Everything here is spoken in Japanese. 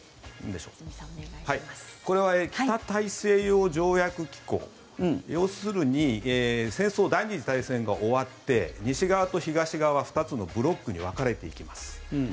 これは北大西洋条約機構要するに戦争、第２次大戦が終わって西側と東側２つのブロックに分かれていきます。